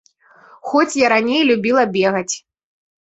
Хоць я раней любіла бегаць.